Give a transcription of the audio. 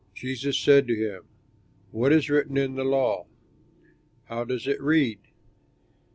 Jesus said to him, "What is written in the law? How does it read?"